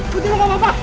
putri lu gapapa